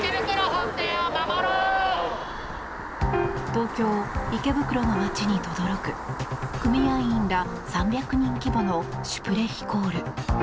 東京・池袋の街にとどろく組合員ら３００人規模のシュプレヒコール。